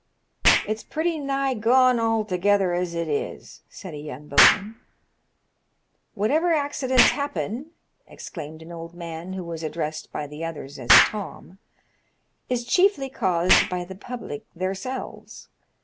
"It's pretty nigh gone altogether as it is," said a young boatman. " Whatever accidents happens," exclaimed an old man who was addressed by the others as Tom, "is chiefly caused by the public theirs^lves.